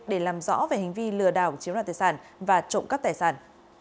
để làm rõ về hành vi lừa đảo chiếm đoạt tài sản và trộm cắp tài sản